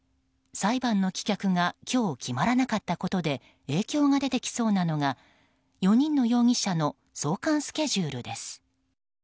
裁判の棄却が今日、決まらなかったことで影響が出てきそうなのが４人の容疑者の送還スケジュールです。